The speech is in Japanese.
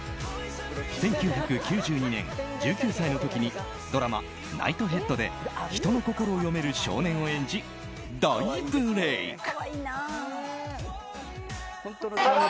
１９９２年、１９歳の時にドラマ「ＮＩＧＨＴＨＥＡＤ」で人の心を読める少年を演じ大ブレーク。